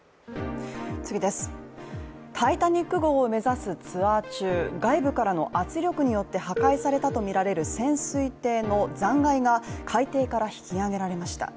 「タイタニック」号を目指すツアー中、外部からの圧力によって破壊されたとみられる潜水艇の残骸が海底から引き揚げられました。